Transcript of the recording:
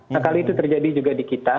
nah kali itu terjadi juga di kita